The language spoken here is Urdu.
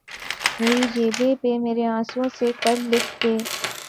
مری جبیں پہ مرے آنسوؤں سے کل لکھ دے